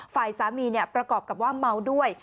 ฝ่ายสามีประกอบกับว่าเมาด้วย